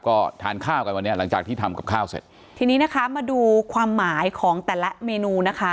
ก็ทานข้าวกันวันนี้หลังจากที่ทำกับข้าวเสร็จทีนี้นะคะมาดูความหมายของแต่ละเมนูนะคะ